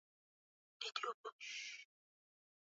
Virutubisho vya viazi lishe vina faida kwa wazee